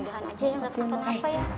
mudahan aja ya ga kena apa apa ya